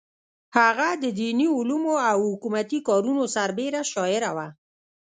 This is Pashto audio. هغه د دیني علومو او حکومتي کارونو سربېره شاعره وه.